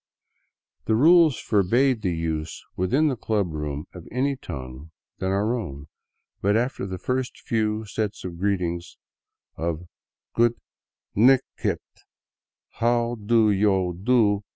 The rules forbade the use within the club room of any tongue than our own, but after the first few set greetings of " goot nig ht, how do yo do?